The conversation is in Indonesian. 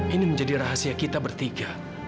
ini menjadi rahasia kita bertiga